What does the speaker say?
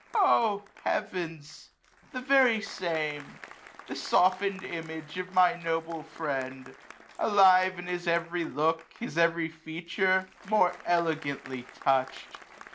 O heavens ! the very same, The softened image of my noble friend ;*' Alive his every look, his every feature, More elegantly touch'd.